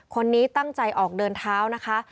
คนนี้ตั้งใจออกเดินเท้านะคะ